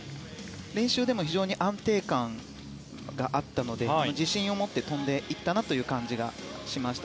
練習でも非常に安定感があったので自信を持って跳んでいった感じがしました。